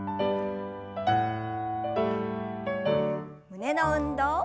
胸の運動。